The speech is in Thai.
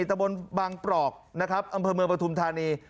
ตะบนบางปรอกนะครับอำเภอเมืองปฐุมธานี